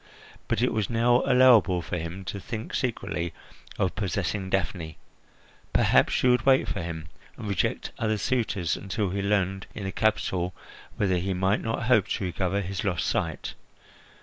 But it was now allowable for him to think secretly of possessing Daphne; perhaps she would wait for him and reject other suitors until he learned in the capital whether he might not hope to recover his lost sight.